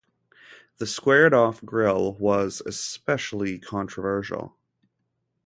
The squared-off grille was especially controversial.